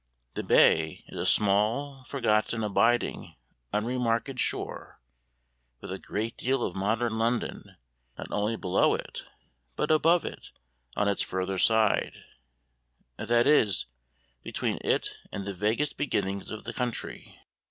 The bay is a small, forgotten, abiding, unremarked shore, with a great deal of modern London not only below it, but above it, on its further side that is, between it and the vaguest beginnings of the country.